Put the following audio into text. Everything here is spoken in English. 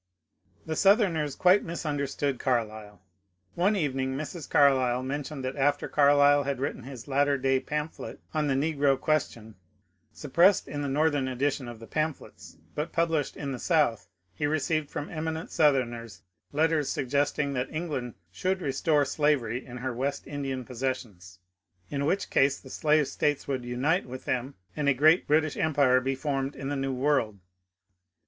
The Southerners quite misunderstood Carlyle. One evening Mrs. Carlyle mentioned that after Carlyle had written his '^ Latter Day Pamphlet " on the negro question, suppressed in the Northern edition of the pamphlets but published in the South, he received from eminent Southerners letters suggest ing that England should restore slavery in her West Indian possessions, in which case the slave States would unite with them, and a great British empire be formed in the New World.